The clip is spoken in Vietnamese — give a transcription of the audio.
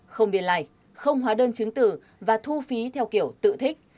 không biên lại không hóa đơn chứng tử và thu phí theo kiểu tự thích